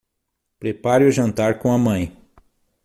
Prepare o jantar com a mãe